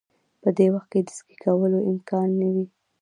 په دې وخت کې د سکی کولو امکان نه وي